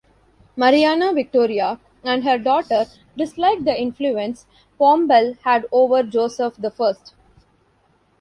Mariana Victoria and her daughter disliked the influence Pombal had over Joseph the First.